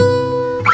terima kasih ya mas